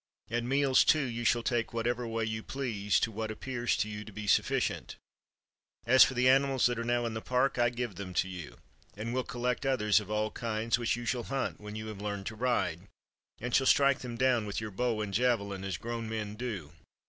At meals, too, you shall take whatever way you please to what appears to you to be sufficient. As for the animals that are now in the park, I give them to you; and will col lect others of all kinds, which you shall hunt when you have learned to ride, and shall strike them down with your bow and javelin, as grown men do.